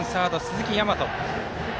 ６番サード、鈴木大和。